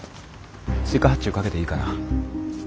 追加発注かけていいかな？